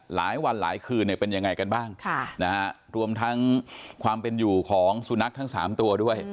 หลายวันหลายคืนเนี่ยเป็นยังไงกันบ้างรวมทั้งความเป็นอยู่ของสุนัขทั้ง๓ตัวด้วย